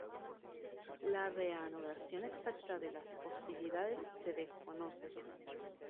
La reanudación exacta de las hostilidades se desconoce.